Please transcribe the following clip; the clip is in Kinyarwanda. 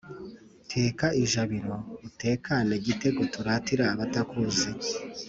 Teka ijabiro utekane gitego turatira abatakuzi